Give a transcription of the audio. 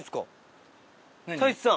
太一さん！